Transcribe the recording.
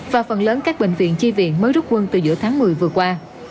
và phần lớn các bệnh viện chi viện mới rút quân từ giữa tháng một mươi vừa qua